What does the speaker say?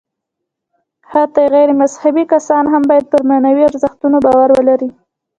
حتی غیر مذهبي کسان هم باید پر معنوي ارزښتونو باور ولري.